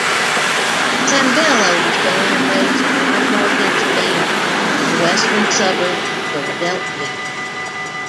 Sembello was born and raised in Ardmore, Pennsylvania, a western suburb of Philadelphia.